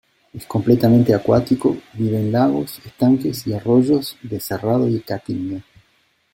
Es completamente acuático, vive en lagos, estanques y arroyos de cerrado y caatinga.